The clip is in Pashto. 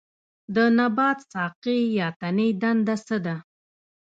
د نبات ساقې یا تنې دنده څه ده